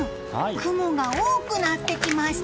雲が多くなってきました。